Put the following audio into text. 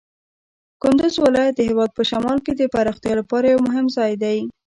کندز ولایت د هېواد په شمال کې د پراختیا لپاره یو مهم ځای دی.